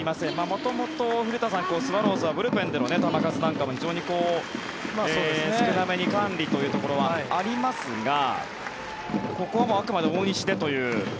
元々、古田さんスワローズはブルペンでの球数も非常に少なめに管理というところはありますがここはあくまでも大西でという。